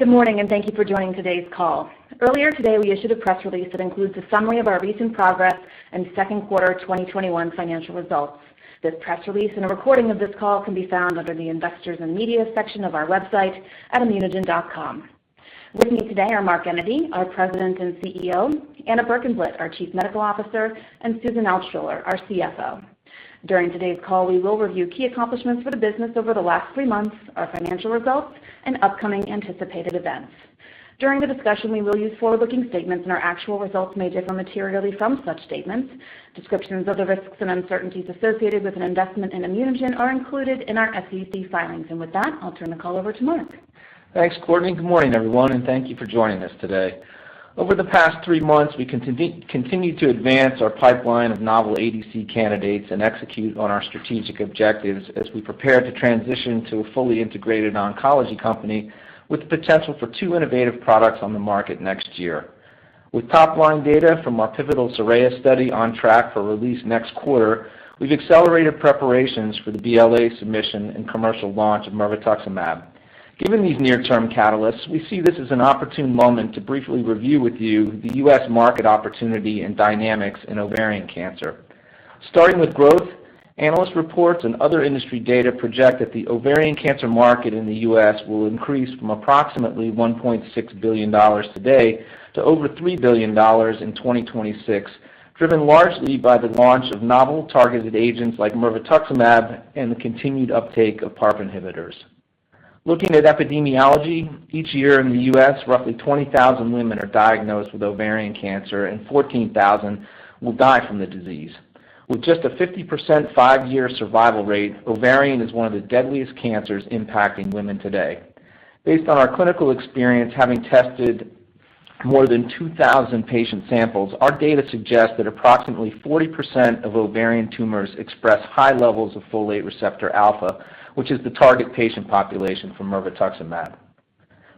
Good morning, and thank you for joining today's call. Earlier today, we issued a press release that includes a summary of our recent progress and second quarter 2021 financial results. This press release and a recording of this call can be found under the Investors and Media section of our website at immunogen.com. With me today are Mark Enyedy, our President and CEO, Anna Berkenblit, our Chief Medical Officer, and Susan Altschuller, our CFO. During today's call, we will review key accomplishments for the business over the last three months, our financial results, and upcoming anticipated events. During the discussion, we will use forward-looking statements, and our actual results may differ materially from such statements. Descriptions of the risks and uncertainties associated with an investment in ImmunoGen are included in our SEC filings. With that, I'll turn the call over to Mark. Thanks, Courtney. Good morning, everyone, and thank you for joining us today. Over the past three months, we continued to advance our pipeline of novel ADC candidates and execute on our strategic objectives as we prepare to transition to a fully integrated oncology company with the potential for two innovative products on the market next year. With top-line data from our pivotal SORAYA study on track for release next quarter, we've accelerated preparations for the BLA submission and commercial launch of mirvetuximab. Given these near-term catalysts, we see this as an opportune moment to briefly review with you the U.S. market opportunity and dynamics in ovarian cancer. Starting with growth, analyst reports and other industry data project that the ovarian cancer market in the U.S. will increase from approximately $1.6 billion today to over $3 billion in 2026, driven largely by the launch of novel targeted agents like mirvetuximab and the continued uptake of PARP inhibitors. Looking at epidemiology, each year in the U.S., roughly 20,000 women are diagnosed with ovarian cancer and 14,000 will die from the disease. With just a 50% five-year survival rate, ovarian is one of the deadliest cancers impacting women today. Based on our clinical experience, having tested more than 2,000 patient samples, our data suggests that approximately 40% of ovarian tumors express high levels of folate receptor alpha, which is the target patient population for mirvetuximab.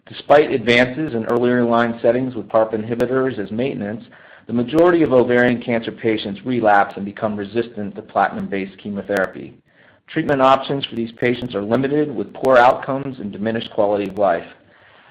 Despite advances in earlier line settings with PARP inhibitors as maintenance, the majority of ovarian cancer patients relapse and become resistant to platinum-based chemotherapy. Treatment options for these patients are limited, with poor outcomes and diminished quality of life.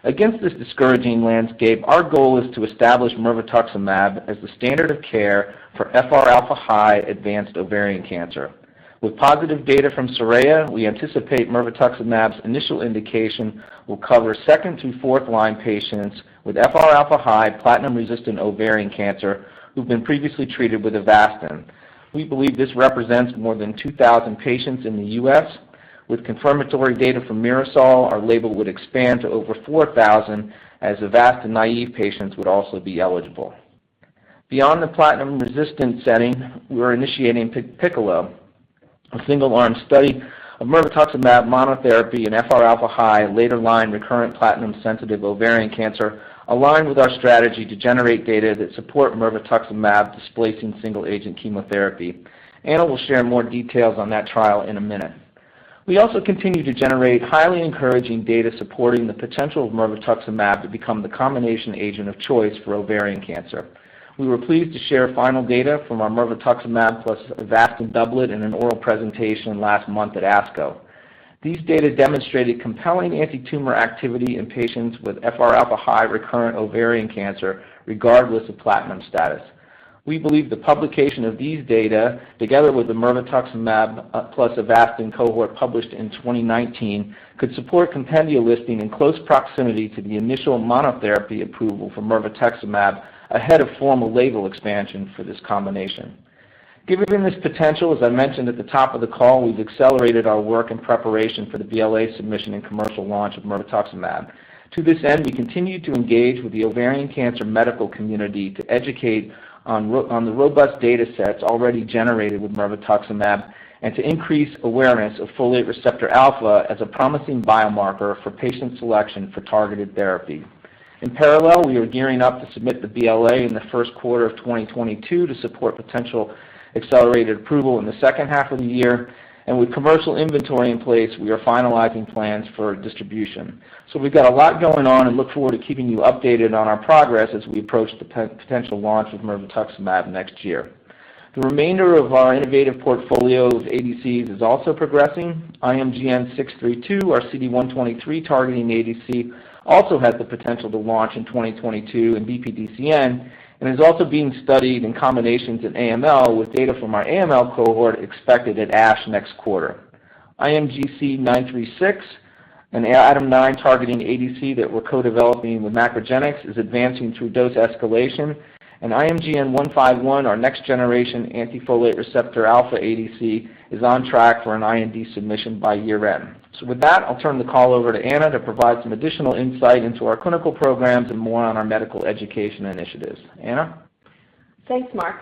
Against this discouraging landscape, our goal is to establish mirvetuximab as the standard of care for FR-alpha high advanced ovarian cancer. With positive data from SORAYA, we anticipate mirvetuximab's initial indication will cover second through 4th-line patients with FR-alpha high platinum-resistant ovarian cancer who've been previously treated with Avastin. We believe this represents more than 2,000 patients in the U.S. With confirmatory data from MIRASOL, our label would expand to over 4,000, as Avastin naive patients would also be eligible. Beyond the platinum-resistant setting, we're initiating PICCOLO, a single-arm study of mirvetuximab monotherapy in FR-alpha high later-line recurrent platinum-sensitive ovarian cancer, aligned with our strategy to generate data that support mirvetuximab displacing single-agent chemotherapy. I will share more details on that trial in a minute. We also continue to generate highly encouraging data supporting the potential of mirvetuximab to become the combination agent of choice for ovarian cancer. We were pleased to share final data from our mirvetuximab plus Avastin doublet in an oral presentation last month at ASCO. These data demonstrated compelling antitumor activity in patients with FR-alpha high recurrent ovarian cancer, regardless of platinum status. We believe the publication of these data, together with the mirvetuximab plus Avastin cohort published in 2019, could support compendia listing in close proximity to the initial monotherapy approval for mirvetuximab ahead of formal label expansion for this combination. Given this potential, as I mentioned at the top of the call, we've accelerated our work in preparation for the BLA submission and commercial launch of mirvetuximab. To this end, we continue to engage with the ovarian cancer medical community to educate on the robust data sets already generated with mirvetuximab and to increase awareness of folate receptor alpha as a promising biomarker for patient selection for targeted therapy. In parallel, we are gearing up to submit the BLA in the first quarter of 2022 to support potential accelerated approval in the second half of the year, and with commercial inventory in place, we are finalizing plans for distribution. We've got a lot going on and look forward to keeping you updated on our progress as we approach the potential launch of mirvetuximab next year. The remainder of our innovative portfolio of ADCs is also progressing. IMGN632, our CD123 targeting ADC, also has the potential to launch in 2022 in BPDCN and is also being studied in combinations in AML with data from our AML cohort expected at ASH next quarter. IMGC936, an ADAM9 targeting ADC that we're co-developing with MacroGenics is advancing through dose escalation. IMGN151, our next-generation anti-folate receptor alpha ADC, is on track for an IND submission by year-end. With that, I'll turn the call over to Anna to provide some additional insight into our clinical programs and more on our medical education initiatives. Anna? Thanks, Mark.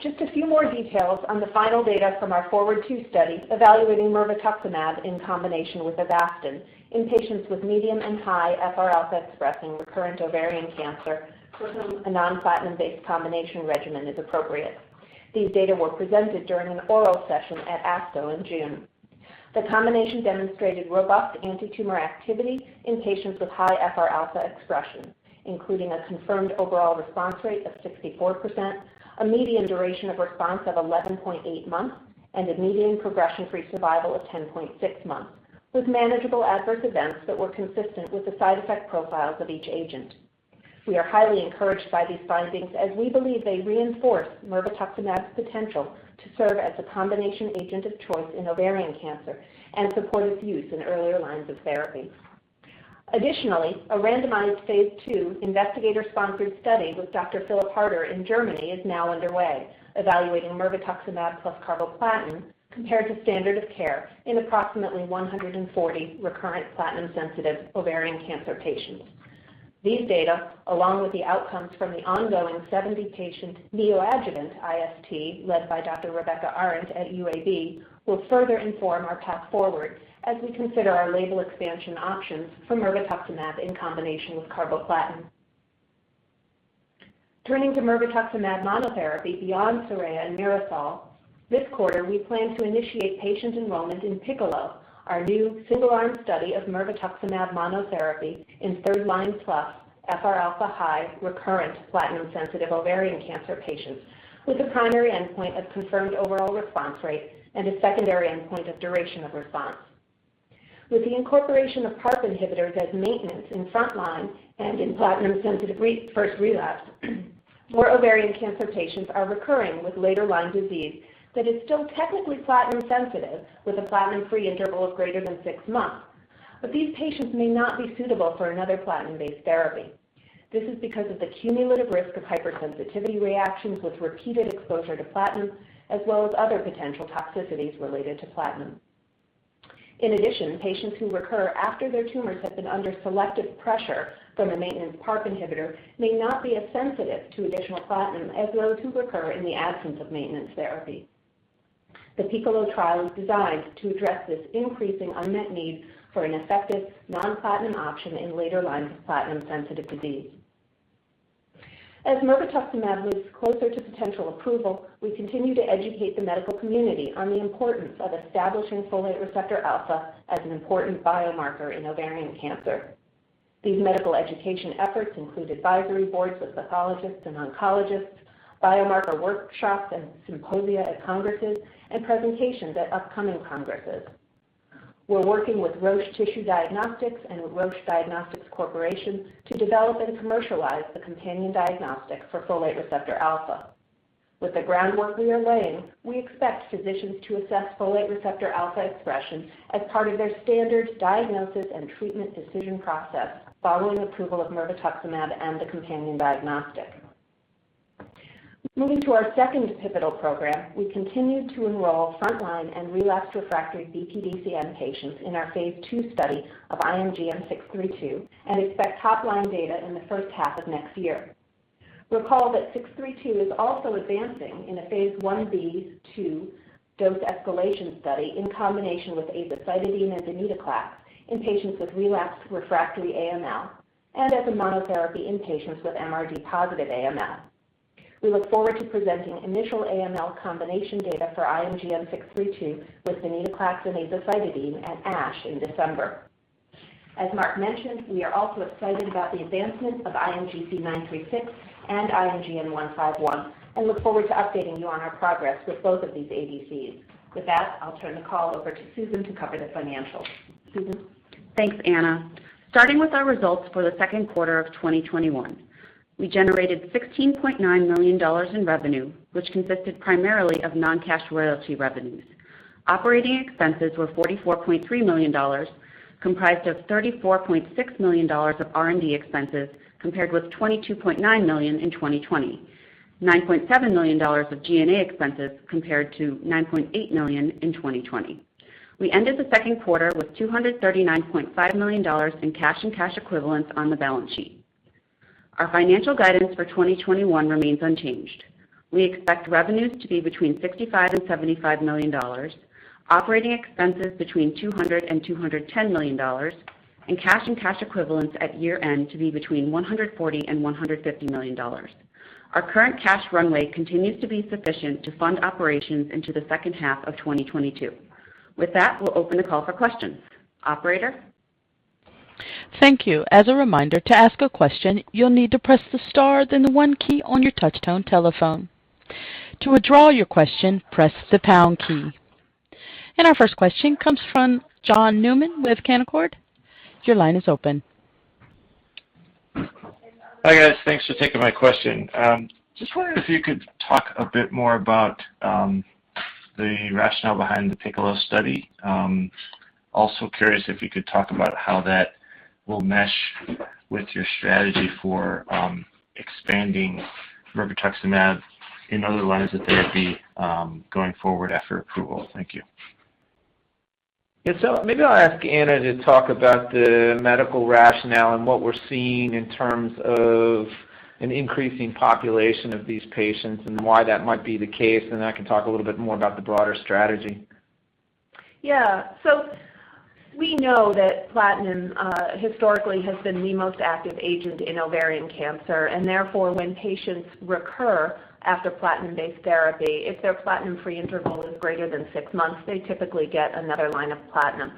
Just a few more details on the final data from our FORWARD II study evaluating mirvetuximab in combination with Avastin in patients with medium and high FR-alpha-expressing recurrent ovarian cancer for whom a non-platinum-based combination regimen is appropriate. These data were presented during an oral session at ASCO in June. The combination demonstrated robust antitumor activity in patients with high FR-alpha expression, including a confirmed overall response rate of 64%, a median duration of response of 11.8 months. A median progression-free survival of 10.6 months, with manageable adverse events that were consistent with the side effect profiles of each agent. We are highly encouraged by these findings as we believe they reinforce mirvetuximab's potential to serve as a combination agent of choice in ovarian cancer and support its use in earlier lines of therapy. Additionally, a randomized phase II investigator-sponsored study with Dr. Philipp Harter in Germany is now underway evaluating mirvetuximab plus carboplatin compared to standard of care in approximately 140 recurrent platinum-sensitive ovarian cancer patients. These data, along with the outcomes from the ongoing 70-patient neoadjuvant IST led by Dr. Rebecca Arend at UAB, will further inform our path forward as we consider our label expansion options for mirvetuximab in combination with carboplatin. Turning to mirvetuximab monotherapy beyond SORAYA and MIRASOL, this quarter, we plan to initiate patient enrollment in PICCOLO, our new single-arm study of mirvetuximab monotherapy in third-line plus FR-alpha-high recurrent platinum-sensitive ovarian cancer patients with a primary endpoint of confirmed overall response rate and a secondary endpoint of duration of response. With the incorporation of PARP inhibitors as maintenance in front-line and in platinum-sensitive first relapse, more ovarian cancer patients are recurring with later-line disease that is still technically platinum-sensitive with a platinum-free interval of greater than six months. These patients may not be suitable for another platinum-based therapy. This is because of the cumulative risk of hypersensitivity reactions with repeated exposure to platinum, as well as other potential toxicities related to platinum. In addition, patients who recur after their tumors have been under selective pressure from a maintenance PARP inhibitor may not be as sensitive to additional platinum as those who recur in the absence of maintenance therapy. The PICCOLO trial is designed to address this increasing unmet need for an effective non-platinum option in later lines of platinum-sensitive disease. As mirvetuximab moves closer to potential approval, we continue to educate the medical community on the importance of establishing folate receptor alpha as an important biomarker in ovarian cancer. These medical education efforts include advisory boards with pathologists and oncologists, biomarker workshops and symposia at congresses, and presentations at upcoming congresses. We're working with Roche Tissue Diagnostics and with Roche Diagnostics Corporation to develop and commercialize the companion diagnostic for folate receptor alpha. With the groundwork we are laying, we expect physicians to assess folate receptor alpha expression as part of their standard diagnosis and treatment decision process following approval of mirvetuximab and the companion diagnostic. Moving to our second pivotal program, we continue to enroll front-line and relapse/refractory BPDCN patients in our phase II study of IMGN632 and expect top-line data in the first half of next year. Recall that 632 is also advancing in a phase Ib/II dose escalation study in combination with azacitidine and venetoclax in patients with relapsed/refractory AML and as a monotherapy in patients with MRD positive AML. We look forward to presenting initial AML combination data for IMGN632 with venetoclax and azacitidine at ASH in December. As Mark mentioned, we are also excited about the advancement of IMGC936 and IMGN151 and look forward to updating you on our progress with both of these ADCs. With that, I'll turn the call over to Susan to cover the financials. Susan? Thanks, Anna. Starting with our results for the second quarter of 2021. We generated $16.9 million in revenue, which consisted primarily of non-cash royalty revenues. Operating expenses were $44.3 million, comprised of $34.6 million of R&D expenses compared with $22.9 million in 2020, $9.7 million of G&A expenses compared to $9.8 million in 2020. We ended the second quarter with $239.5 million in cash and cash equivalents on the balance sheet. Our financial guidance for 2021 remains unchanged. We expect revenues to be between $65 and $75 million, operating expenses between $200 and $210 million, and cash and cash equivalents at year-end to be between $140 and $150 million. Our current cash runway continues to be sufficient to fund operations into the second half of 2022. With that, we'll open the call for questions. Operator? Thank you. As a reminder, to ask a question, you'll need to press the star then the one key on your touchtone telephone. To withdraw your question, press the pound key. Our first question comes from John Newman with Canaccord. Your line is open. Hi, guys. Thanks for taking my question. Just wondering if you could talk a bit more about the rationale behind the PICCOLO study. Also curious if you could talk about how that will mesh with your strategy for expanding mirvetuximab in other lines of therapy going forward after approval. Thank you. Yeah. Maybe I'll ask Anna to talk about the medical rationale and what we're seeing in terms of an increasing population of these patients and why that might be the case, then I can talk a little bit more about the broader strategy. Yeah. We know that platinum historically has been the most active agent in ovarian cancer, and therefore, when patients recur after platinum-based therapy, if their platinum-free interval is greater than six months, they typically get another line of platinum.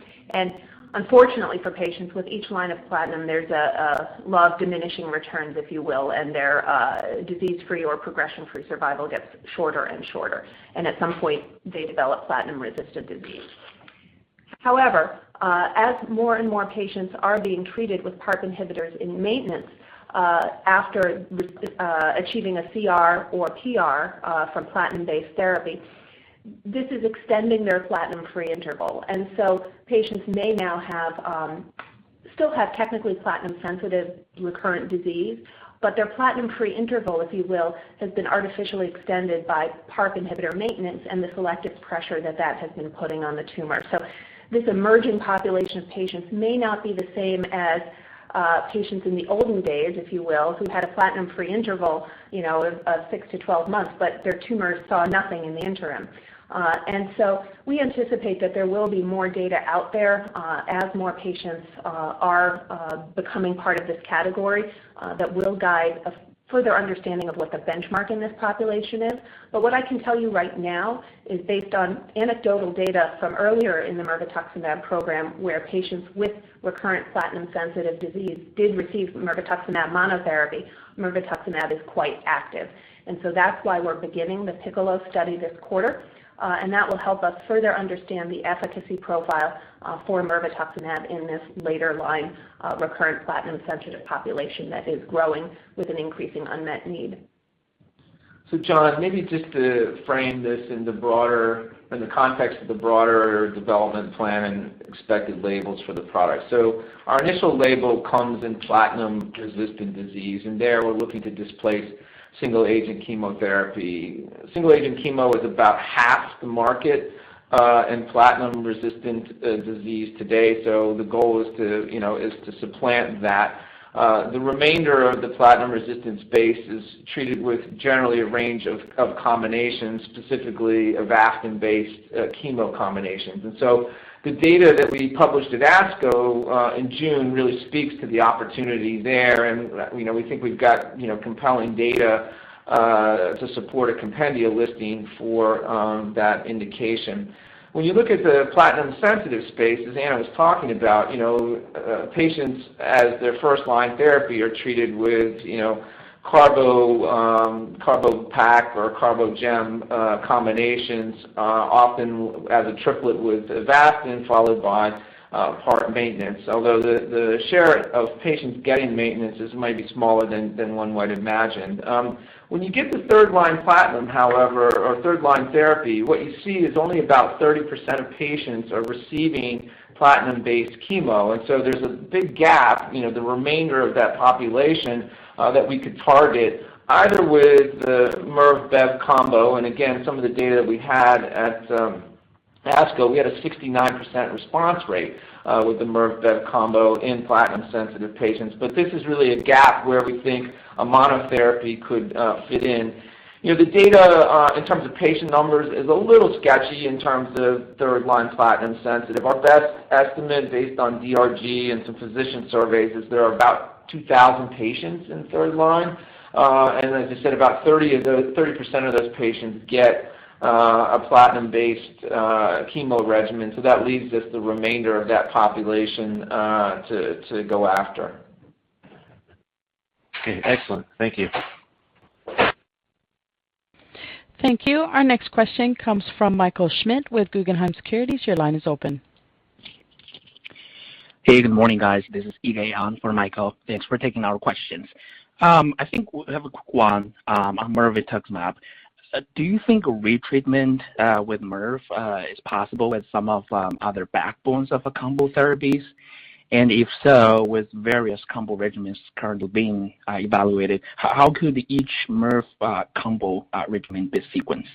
Unfortunately for patients with each line of platinum, there's a law of diminishing returns, if you will, and their disease-free or progression-free survival gets shorter and shorter. At some point, they develop platinum-resistant disease. As more and more patients are being treated with PARP inhibitors in maintenance after achieving a CR or PR from platinum-based therapy, this is extending their platinum-free interval. Patients may now still have technically platinum-sensitive recurrent disease, but their platinum-free interval, if you will, has been artificially extended by PARP inhibitor maintenance and the selective pressure that has been putting on the tumor. This emerging population of patients may not be the same as patients in the olden days, if you will, who had a platinum-free interval of six to 12 months, but their tumors saw nothing in the interim. We anticipate that there will be more data out there as more patients are becoming part of this category that will guide a further understanding of what the benchmark in this population is. What I can tell you right now is based on anecdotal data from earlier in the mirvetuximab program, where patients with recurrent platinum-sensitive disease did receive mirvetuximab monotherapy. mirvetuximab is quite active, that's why we're beginning the PICCOLO study this quarter. That will help us further understand the efficacy profile for mirvetuximab in this later line, recurrent platinum-sensitive population that is growing with an increasing unmet need. John, maybe just to frame this in the context of the broader development plan and expected labels for the product. Our initial label comes in platinum-resistant disease, and there we're looking to displace single-agent chemotherapy. Single-agent chemo is about half the market in platinum-resistant disease today, the goal is to supplant that. The remainder of the platinum-resistant space is treated with generally a range of combinations, specifically Avastin-based chemo combinations. The data that we published at ASCO in June really speaks to the opportunity there, and we think we've got compelling data to support a compendia listing for that indication. When you look at the platinum-sensitive space, as Anna was talking about, patients as their first-line therapy are treated with Carbo-Tax or GemCarbo combinations, often as a triplet with Avastin followed by PARP maintenance, although the share of patients getting maintenance might be smaller than one might imagine. When you get to third-line platinum, however, or third-line therapy, what you see is only about 30% of patients are receiving platinum-based chemo. There's a big gap, the remainder of that population that we could target either with the mirve-bev combo, and again, some of the data that we had at ASCO, we had a 69% response rate with the mirve-bev combo in platinum-sensitive patients. This is really a gap where we think a monotherapy could fit in. The data in terms of patient numbers is a little sketchy in terms of third-line platinum sensitive. Our best estimate based on DRG and some physician surveys is there are about 2,000 patients in third line. As I said, about 30% of those patients get a platinum-based chemo regimen. That leaves us the remainder of that population to go after. Okay. Excellent. Thank you. Thank you. Our next question comes from Michael Schmidt with Guggenheim Securities. Your line is open. Hey, good morning, guys. This is[Iveh]on for Michael. Thanks for taking our questions. I think we have a quick one on mirvetuximab. Do you think retreatment with mirve is possible with some of other backbones of combo therapies? If so, with various combo regimens currently being evaluated, how could each mirve combo regimen be sequenced?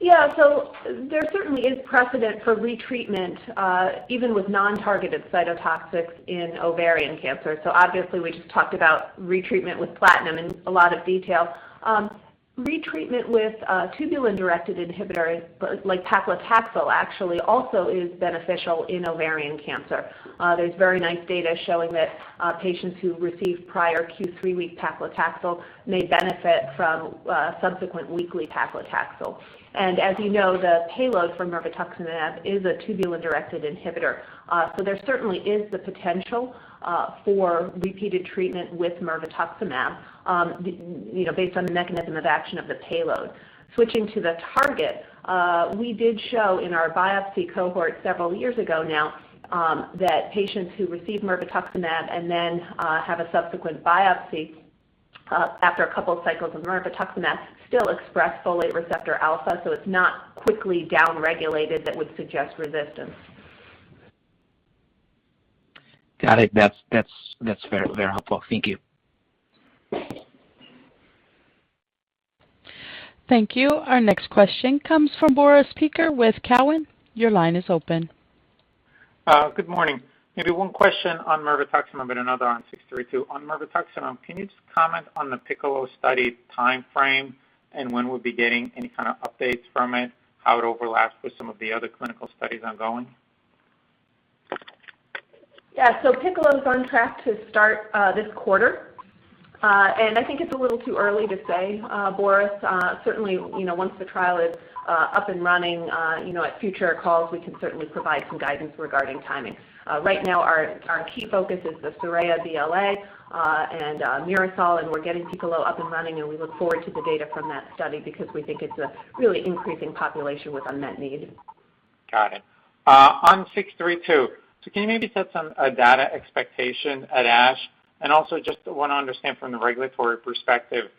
Yeah. There certainly is precedent for retreatment even with non-targeted cytotoxics in ovarian cancer. Obviously we just talked about retreatment with platinum in a lot of detail. Retreatment with tubulin-directed inhibitors like paclitaxel actually also is beneficial in ovarian cancer. There's very nice data showing that patients who receive prior Q3-week paclitaxel may benefit from subsequent weekly paclitaxel. As you know, the payload for mirvetuximab is a tubulin-directed inhibitor. There certainly is the potential for repeated treatment with mirvetuximab based on the mechanism of action of the payload. Switching to the target, we did show in our biopsy cohort several years ago now that patients who receive mirvetuximab and then have a subsequent biopsy after a couple of cycles of mirvetuximab still express folate receptor alpha, so it's not quickly down-regulated that would suggest resistance. Got it. That's very helpful. Thank you. Thank you. Our next question comes from Boris Peaker with Cowen. Your line is open. Good morning. Maybe one question on mirvetuximab and another on 632. On mirvetuximab, can you just comment on the PICCOLO study timeframe and when we'll be getting any kind of updates from it, how it overlaps with some of the other clinical studies ongoing? PICCOLO is on track to start this quarter. I think it's a little too early to say, Boris. Certainly, once the trial is up and running, at future calls, we can certainly provide some guidance regarding timing. Right now our key focus is the SORAYA BLA and MIRASOL, and we're getting PICCOLO up and running, and we look forward to the data from that study because we think it's a really increasing population with unmet need. Got it. On 632, can you maybe set some data expectation at ASH? Also just want to understand from the regulatory perspective,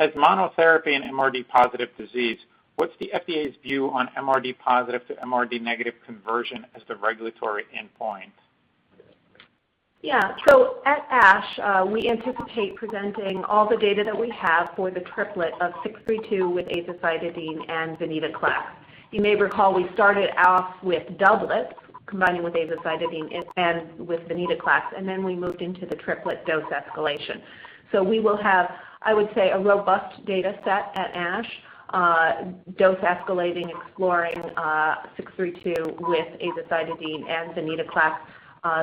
as monotherapy in MRD positive disease, what's the FDA's view on MRD positive to MRD negative conversion as the regulatory endpoint? Yeah. At ASH, we anticipate presenting all the data that we have for the triplet of 632 with azacitidine and venetoclax. You may recall, we started off with doublets combining with azacitidine and with venetoclax, and then we moved into the triplet dose escalation. We will have, I would say, a robust data set at ASH, dose escalating, exploring 632 with azacitidine and venetoclax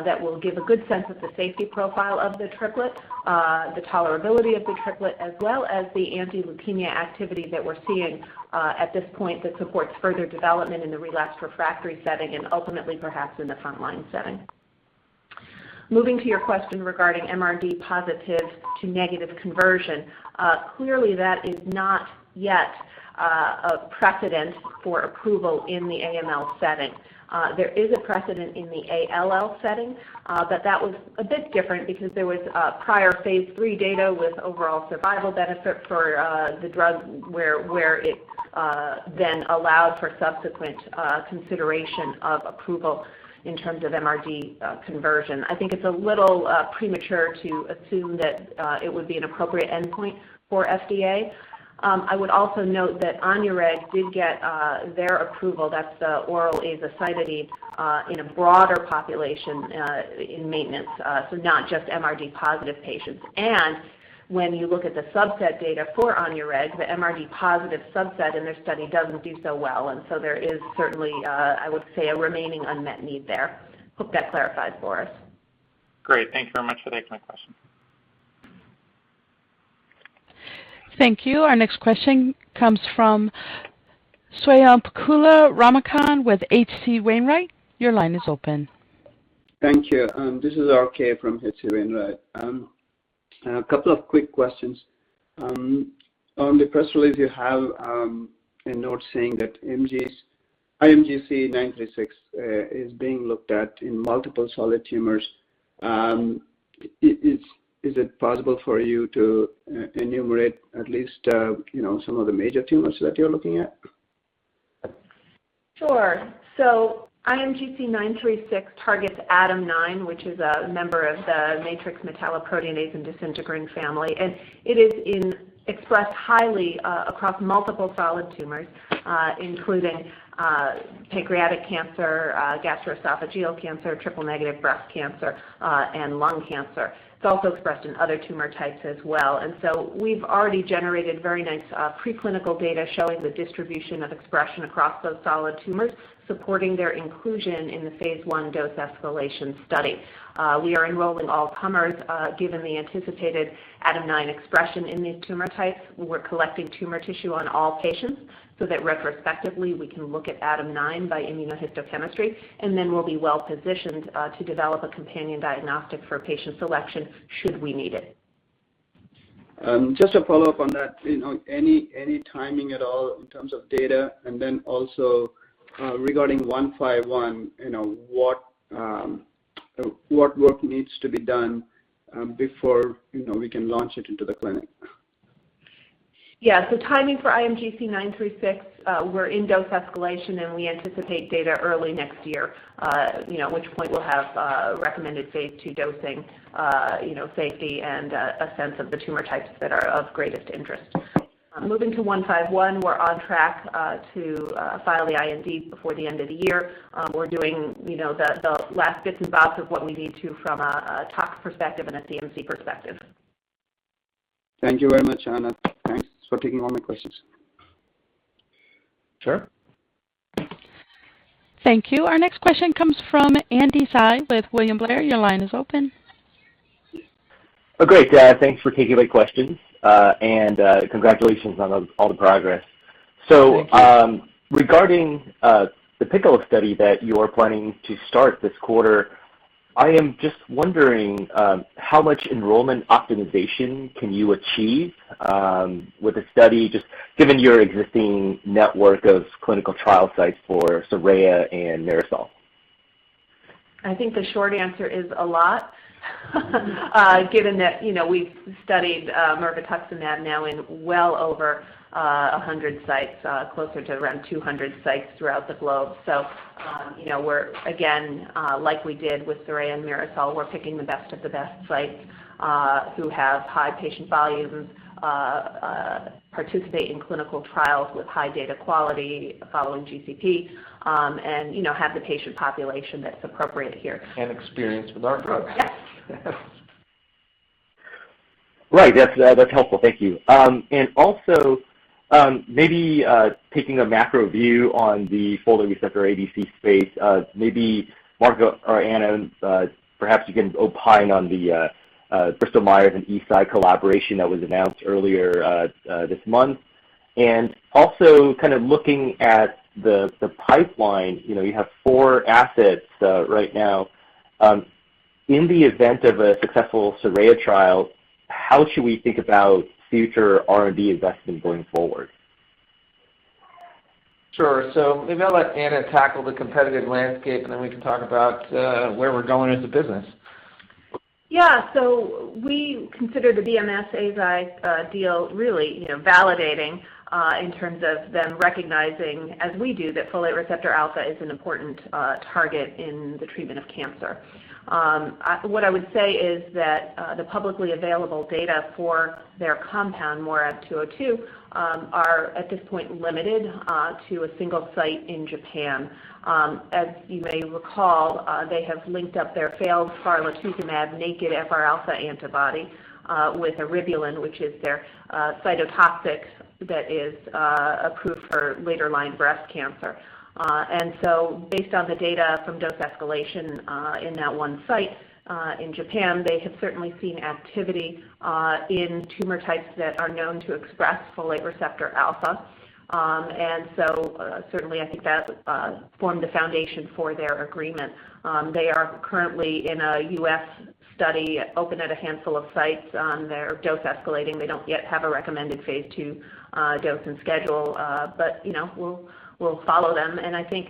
that will give a good sense of the safety profile of the triplet, the tolerability of the triplet, as well as the anti-leukemia activity that we're seeing at this point that supports further development in the relapsed refractory setting and ultimately perhaps in the frontline setting. Moving to your question regarding MRD positive to negative conversion. Clearly, that is not yet a precedent for approval in the AML setting. There is a precedent in the ALL setting. That was a bit different because there was prior phase III data with overall survival benefit for the drug, where it allowed for subsequent consideration of approval in terms of MRD conversion. I think it's a little premature to assume that it would be an appropriate endpoint for FDA. I would also note that ONUREG did get their approval, that's the oral azacitidine, in a broader population in maintenance, not just MRD positive patients. When you look at the subset data for ONUREG, the MRD positive subset in their study doesn't do so well. There is certainly, I would say, a remaining unmet need there. Hope that clarifies, Boris. Great. Thank you very much for taking my question. Thank you. Our next question comes from Swayampakula Ramakanth with H.C. Wainwright. Your line is open. Thank you. This is RK from H.C. Wainwright. A couple of quick questions. On the press release you have a note saying that IMGC936 is being looked at in multiple solid tumors. Is it possible for you to enumerate at least some of the major tumors that you're looking at? Sure. IMGC936 targets ADAM9, which is a member of the matrix metalloproteinase and disintegrin family, and it is expressed highly across multiple solid tumors, including pancreatic cancer, gastroesophageal cancer, triple-negative breast cancer, and lung cancer. It's also expressed in other tumor types as well. We've already generated very nice preclinical data showing the distribution of expression across those solid tumors, supporting their inclusion in the phase I dose escalation study. We are enrolling all comers given the anticipated ADAM9 expression in these tumor types. We're collecting tumor tissue on all patients so that retrospectively we can look at ADAM9 by immunohistochemistry, and then we'll be well-positioned to develop a companion diagnostic for patient selection should we need it. Just a follow-up on that. Any timing at all in terms of data? Also regarding 151, what work needs to be done before we can launch it into the clinic? Yeah. Timing for IMGC936, we're in dose escalation, and we anticipate data early next year, at which point we'll have recommended phase II dosing, safety, and a sense of the tumor types that are of greatest interest. Moving to 151, we're on track to file the IND before the end of the year. We're doing the last bits and bobs of what we need to from a tox perspective and a CMC perspective. Thank you very much, Anna. Thanks for taking all my questions. Sure. Thank you. Our next question comes from Andy Tsai with William Blair. Your line is open. Oh, great. Thanks for taking my questions. Congratulations on all the progress. Thank you. Regarding the PICCOLO study that you are planning to start this quarter, I am just wondering how much enrollment optimization can you achieve with the study, just given your existing network of clinical trial sites for SORAYA and MIRASOL? I think the short answer is a lot. Given that we've studied mirvetuximab now in well over 100 sites, closer to around 200 sites throughout the globe. We're, again, like we did with SORAYA and MIRASOL, we're picking the best of the best sites who have high patient volumes, participate in clinical trials with high data quality following GCP, and have the patient population that's appropriate here. Experience with our drugs. Yes. Right. That's helpful. Thank you. Maybe taking a macro view on the folate receptor ADC space, maybe Mark or Anna, perhaps you can opine on the Bristol-Myers and Eisai collaboration that was announced earlier this month. Kind of looking at the pipeline, you have four assets right now. In the event of a successful SORAYA trial, how should we think about future R&D investment going forward? Sure. Maybe I'll let Anna tackle the competitive landscape, and then we can talk about where we're going as a business. Yeah. We consider the BMS/Eisai deal really validating in terms of them recognizing, as we do, that folate receptor alpha is an important target in the treatment of cancer. What I would say is that the publicly available data for their compound, MORAb-202, are at this point limited to a single site in Japan. As you may recall, they have linked up their failed farletuzumab-naked FR-alpha antibody with eribulin, which is their cytotoxic that is approved for later-line breast cancer. Based on the data from dose escalation in that one site in Japan, they have certainly seen activity in tumor types that are known to express folate receptor alpha. Certainly I think that formed a foundation for their agreement. They are currently in a U.S. study, open at a handful of sites on their dose escalating. They don't yet have a recommended phase II dose and schedule. We'll follow them. I think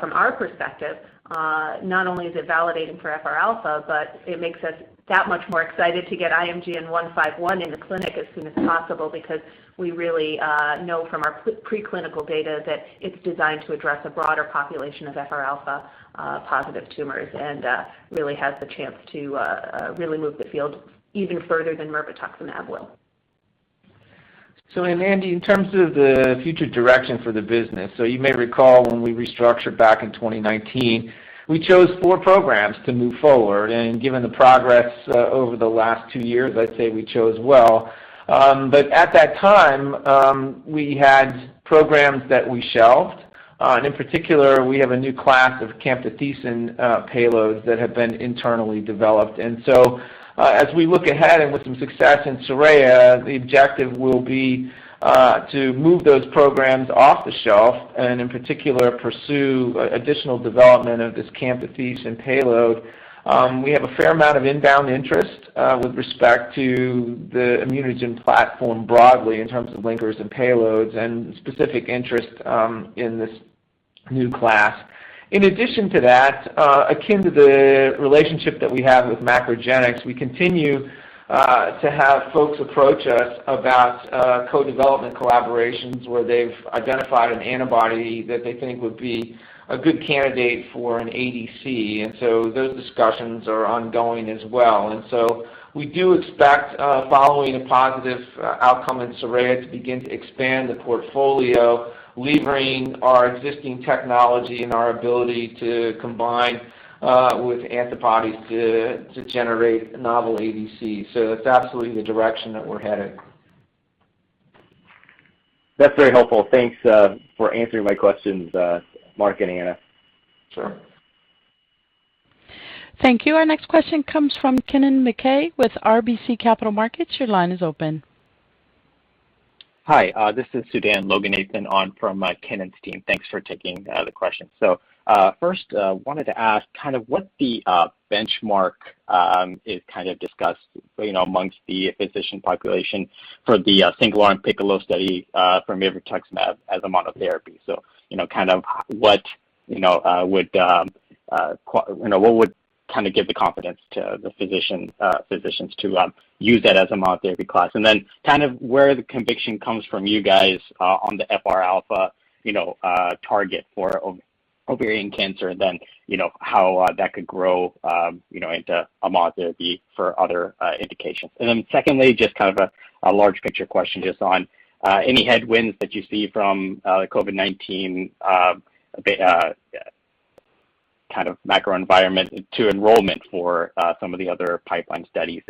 from our perspective, not only is it validating for FR-alpha, but it makes us that much more excited to get IMGN151 in the clinic as soon as possible, because we really know from our preclinical data that it's designed to address a broader population of FR-alpha-positive tumors, and really has the chance to really move the field even further than mirvetuximab will. Andy, in terms of the future direction for the business, you may recall when we restructured back in 2019, we chose four programs to move forward. Given the progress over the last two years, I'd say we chose well. At that time, we had programs that we shelved. In particular, we have a new class of camptothecin payloads that have been internally developed. As we look ahead and with some success in SORAYA, the objective will be to move those programs off the shelf, and in particular, pursue additional development of this camptothecin payload. We have a fair amount of inbound interest with respect to the ImmunoGen platform broadly in terms of linkers and payloads, and specific interest in this new class. In addition to that, akin to the relationship that we have with MacroGenics, we continue to have folks approach us about co-development collaborations where they've identified an antibody that they think would be a good candidate for an ADC. Those discussions are ongoing as well. We do expect, following a positive outcome in SORAYA, to begin to expand the portfolio, levering our existing technology and our ability to combine with antibodies to generate novel ADCs. That's absolutely the direction that we're headed. That's very helpful. Thanks for answering my questions, Mark and Anna. Sure. Thank you. Our next question comes from Kennen MacKay with RBC Capital Markets. Your line is open. Hi, this is Sudan Loganathan on from Kennen's team. Thanks for taking the questions. First, wanted to ask what the benchmark is discussed amongst the physician population for the single-arm PICCOLO study for mirvetuximab as a monotherapy. What would give the confidence to the physicians to use that as a monotherapy class? Where the conviction comes from you guys on the FR-alpha target for ovarian cancer, then how that could grow into a monotherapy for other indications. Secondly, just a large picture question just on any headwinds that you see from the COVID-19 kind of macro environment to enrollment for some of the other pipeline studies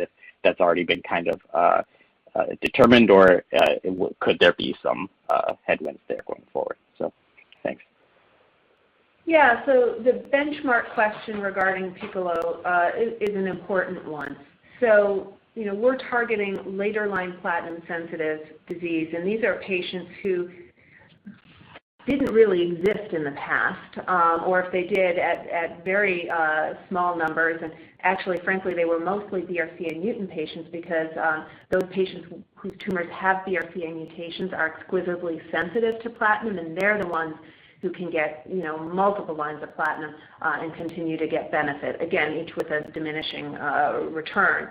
that's already been determined, or could there be some headwinds there going forward? Thanks. The benchmark question regarding PICCOLO is an important one. We're targeting later-line platinum-sensitive disease, and these are patients who didn't really exist in the past. Or if they did, at very small numbers. Actually, frankly, they were mostly BRCA mutant patients because those patients whose tumors have BRCA mutations are exquisitely sensitive to platinum, and they're the ones who can get multiple lines of platinum and continue to get benefit, again, each with a diminishing return.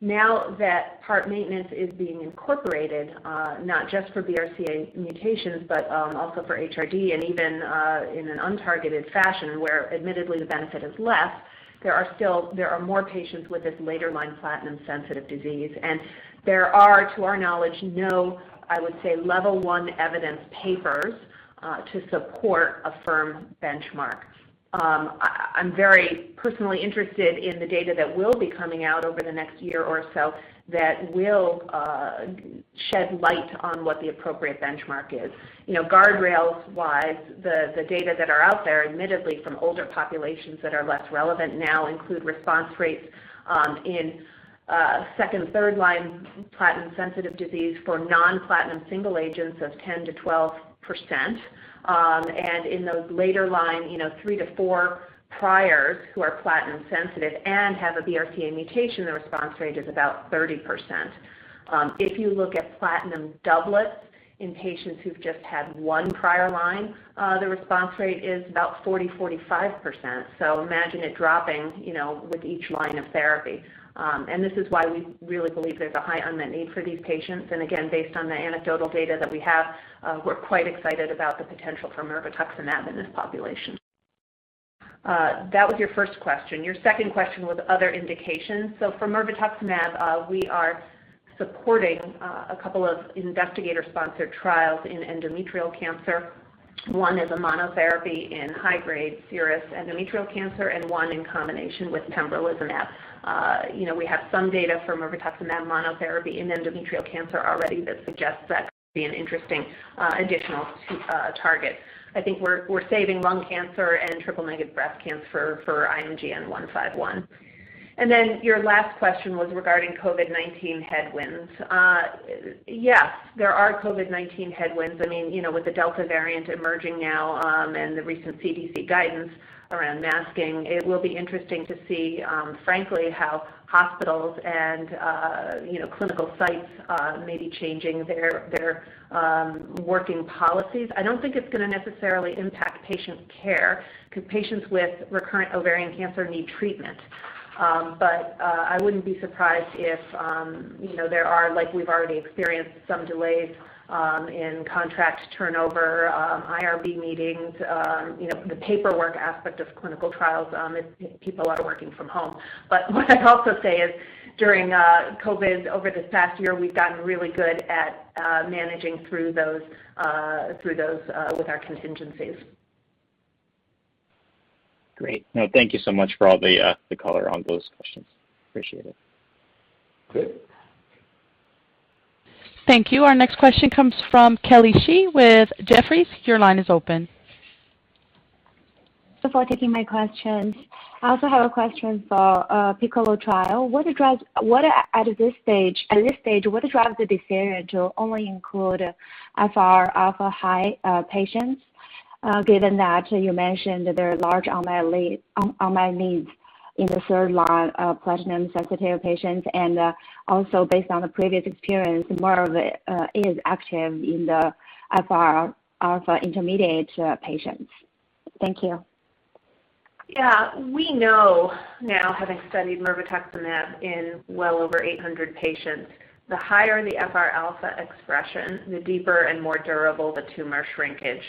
Now that PARP maintenance is being incorporated, not just for BRCA mutations, but also for HRD and even in an untargeted fashion where admittedly the benefit is less, there are more patients with this later-line platinum-sensitive disease. There are, to our knowledge, no, I would say, level 1 evidence papers to support a firm benchmark. I'm very personally interested in the data that will be coming out over the next year or so that will shed light on what the appropriate benchmark is. Guardrails-wise, the data that are out there, admittedly from older populations that are less relevant now, include response rates in second and third line platinum-sensitive disease for non-platinum single agents of 10%-12%. In those later line, 3-4 priors who are platinum sensitive and have a BRCA mutation, the response rate is about 30%. If you look at platinum doublets in patients who've just had one prior line, the response rate is about 40%, 45%. Imagine it dropping with each line of therapy. This is why we really believe there's a high unmet need for these patients. Again, based on the anecdotal data that we have, we're quite excited about the potential for mirvetuximab in this population. That was your first question. Your second question was other indications. For mirvetuximab, we are supporting a couple of investigator-sponsored trials in endometrial cancer. One is a monotherapy in high-grade serous endometrial cancer and one in combination with pembrolizumab. We have some data for mirvetuximab monotherapy in endometrial cancer already that suggests that could be an interesting additional target. I think we're saving lung cancer and triple-negative breast cancer for IMGN151. Your last question was regarding COVID-19 headwinds. Yes, there are COVID-19 headwinds. With the Delta variant emerging now and the recent CDC guidance around masking, it will be interesting to see, frankly, how hospitals and clinical sites may be changing their working policies. I don't think it's going to necessarily impact patient care because patients with recurrent ovarian cancer need treatment. I wouldn't be surprised if there are, like we've already experienced, some delays in contract turnover, IRB meetings, the paperwork aspect of clinical trials if people are working from home. What I'd also say is during COVID, over this past year, we've gotten really good at managing through those with our contingencies. Great. No, thank you so much for all the color on those questions. Appreciate it. Great. Thank you. Our next question comes from Kelly Shi with Jefferies. Your line is open. Thanks for taking my questions. I also have a question for PICCOLO trial. At this stage, what drives the decision to only include FR-alpha high patients, given that you mentioned there are large unmet needs in the third line of platinum-sensitive patients, and also based on the previous experience, mirvetuximab is active in the FR-alpha intermediate patients. Thank you. We know now, having studied mirvetuximab in well over 800 patients, the higher the FR-alpha expression, the deeper and more durable the tumor shrinkage.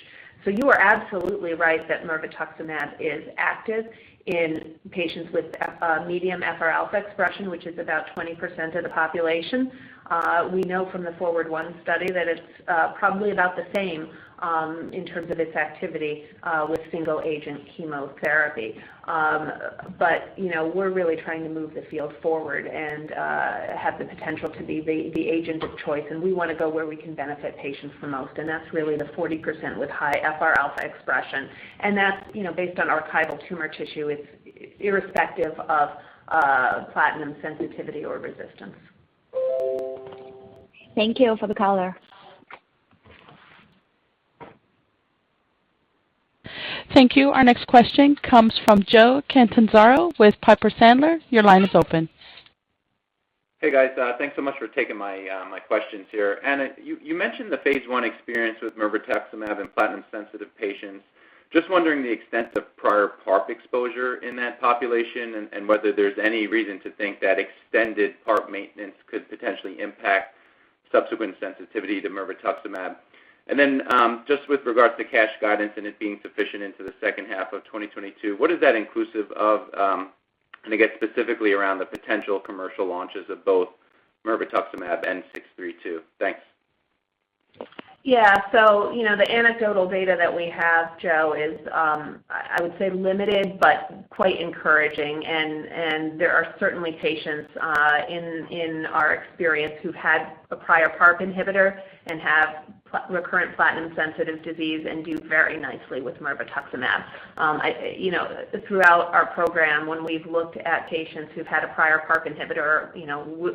You are absolutely right that mirvetuximab is active in patients with medium FR-alpha expression, which is about 20% of the population. We know from the FORWARD I study that it's probably about the same in terms of its activity with single-agent chemotherapy. We're really trying to move the field forward and have the potential to be the agent of choice, and we want to go where we can benefit patients the most, and that's really the 40% with high FR-alpha expression. That's based on archival tumor tissue, it's irrespective of platinum sensitivity or resistance. Thank you for the color. Thank you. Our next question comes from Joe Catanzaro with Piper Sandler. Your line is open. Hey, guys. Thanks so much for taking my questions here. Anna, you mentioned the phase I experience with mirvetuximab in platinum-sensitive patients. Just wondering the extent of prior PARP exposure in that population and whether there's any reason to think that extended PARP maintenance could potentially impact subsequent sensitivity to mirvetuximab. Just with regards to cash guidance and it being sufficient into the second half of 2022, what is that inclusive of, and again, specifically around the potential commercial launches of both mirvetuximab and 632? Thanks. Yeah. The anecdotal data that we have, Joe, is I would say limited but quite encouraging, and there are certainly patients in our experience who've had a prior PARP inhibitor and have recurrent platinum-sensitive disease and do very nicely with mirvetuximab. Throughout our program, when we've looked at patients who've had a prior PARP inhibitor,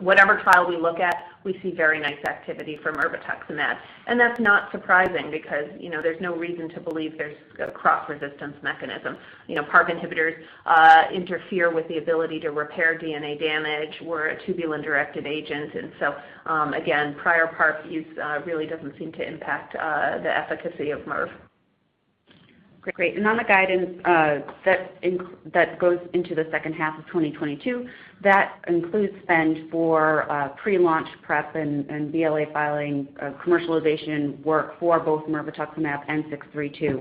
whatever trial we look at, we see very nice activity for mirvetuximab. That's not surprising because there's no reason to believe there's a cross-resistance mechanism. PARP inhibitors interfere with the ability to repair DNA damage. We're a tubulin-directed agent. Again, prior PARP use really doesn't seem to impact the efficacy of mirve. Great. On the guidance that goes into the second half of 2022, that includes spend for pre-launch prep and BLA filing, commercialization work for both mirvetuximab and 632.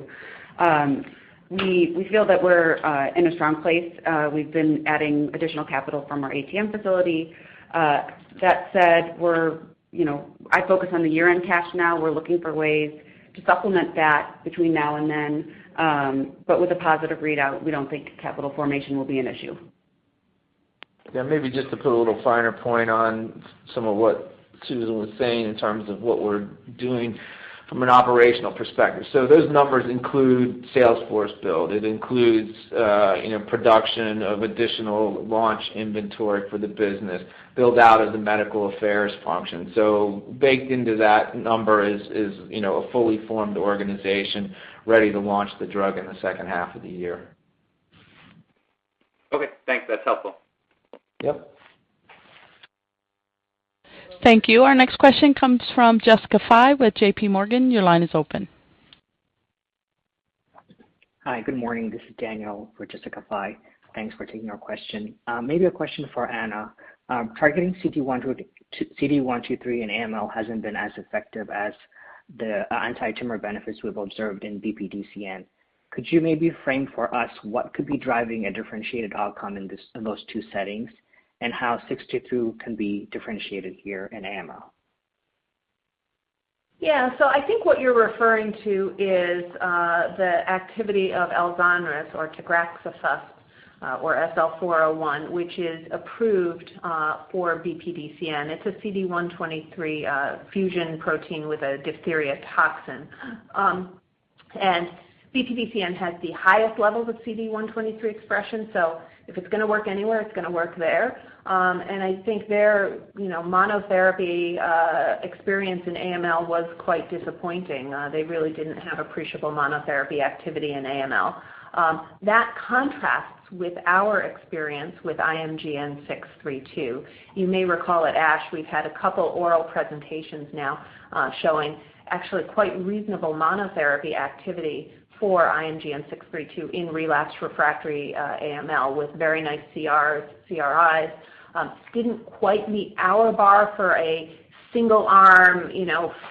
We feel that we're in a strong place. We've been adding additional capital from our ATM facility. That said, I focus on the year-end cash now. We're looking for ways to supplement that between now and then. With a positive readout, we don't think capital formation will be an issue. Yeah, maybe just to put a little finer point on some of what Susan was saying in terms of what we're doing from an operational perspective. Those numbers include sales force build. It includes production of additional launch inventory for the business, build out of the medical affairs function. Baked into that number is a fully formed organization ready to launch the drug in the second half of the year. Okay, thanks. That's helpful. Yep. Thank you. Our next question comes from Jessica Fye with JPMorgan. Your line is open. Hi. Good morning. This is Daniel for Jessica Fye. Thanks for taking our question. Maybe a question for Anna. Targeting CD123 in AML hasn't been as effective as the anti-tumor benefits we've observed in BPDCN. Could you maybe frame for us what could be driving a differentiated outcome in those two settings and how 632 can be differentiated here in AML? Yeah. I think what you're referring to is the activity of ELZONRIS or tagraxofusp, or SL-401, which is approved for BPDCN. It's a CD123 fusion protein with a diphtheria toxin. BPDCN has the highest levels of CD123 expression, so if it's going to work anywhere, it's going to work there. I think their monotherapy experience in AML was quite disappointing. They really didn't have appreciable monotherapy activity in AML. That contrasts with our experience with IMGN632. You may recall at ASH, we've had a couple oral presentations now showing actually quite reasonable monotherapy activity for IMGN632 in relapsed refractory AML with very nice CRs, CRIs. Didn't quite meet our bar for a single arm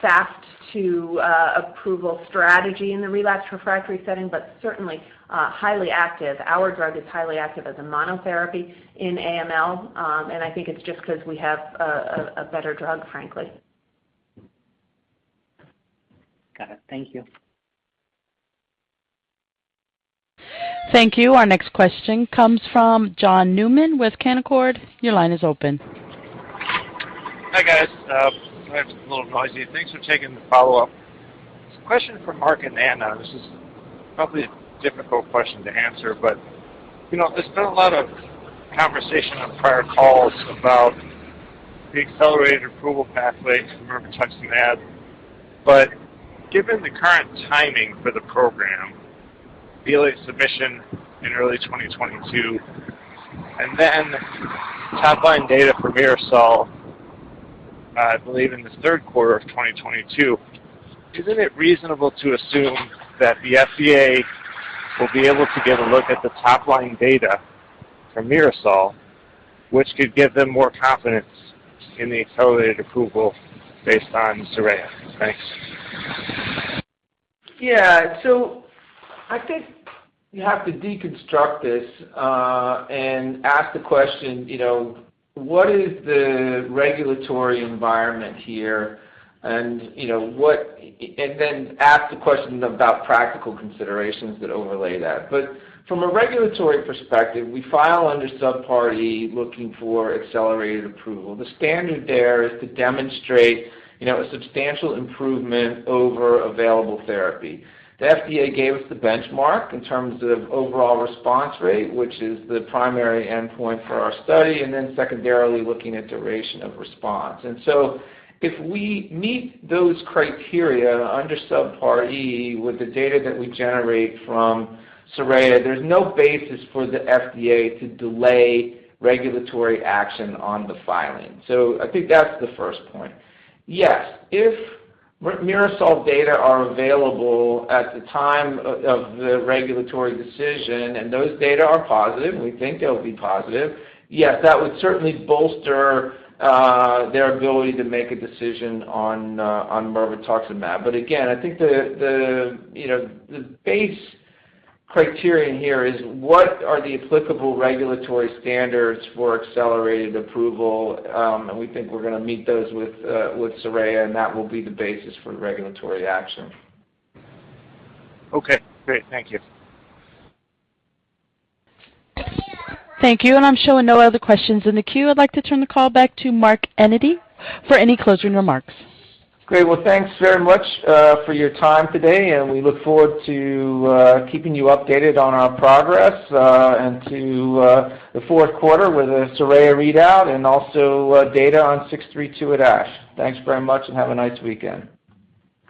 fast to approval strategy in the relapsed refractory setting, but certainly highly active. Our drug is highly active as a monotherapy in AML, and I think it's just because we have a better drug, frankly. Got it. Thank you. Thank you. Our next question comes from John Newman with Canaccord. Your line is open. Hi, guys. It's a little noisy. Thanks for taking the follow-up. This is a question for Mark and Anna. This is probably a difficult question to answer. There's been a lot of conversation on prior calls about the accelerated approval pathway for mirvetuximab. Given the current timing for the program, BLA submission in early 2022, and then top line data for MIRASOL, I believe in the third quarter of 2022, isn't it reasonable to assume that the FDA will be able to get a look at the top line data from MIRASOL, which could give them more confidence in the accelerated approval based on SORAYA? Thanks. Yeah. I think you have to deconstruct this and ask the question, what is the regulatory environment here? Then ask the questions about practical considerations that overlay that. From a regulatory perspective, we file under Subpart E looking for accelerated approval. The standard there is to demonstrate a substantial improvement over available therapy. The FDA gave us the benchmark in terms of overall response rate, which is the primary endpoint for our study, and then secondarily, looking at duration of response. If we meet those criteria under Subpart E with the data that we generate from SORAYA, there's no basis for the FDA to delay regulatory action on the filing. I think that's the first point. Yes, if MIRASOL data are available at the time of the regulatory decision and those data are positive, we think they'll be positive, yes, that would certainly bolster their ability to make a decision on mirvetuximab. Again, I think the base criterion here is what are the applicable regulatory standards for accelerated approval, and we think we're going to meet those with SORAYA, and that will be the basis for regulatory action. Okay, great. Thank you. Thank you. I'm showing no other questions in the queue. I'd like to turn the call back to Mark Enyedy for any closing remarks. Great. Well, thanks very much for your time today, and we look forward to keeping you updated on our progress and to the fourth quarter with a SORAYA readout and also data on 632 at ASH. Thanks very much and have a nice weekend.